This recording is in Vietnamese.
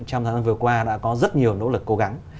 trong tháng vừa qua đã có rất nhiều nỗ lực cố gắng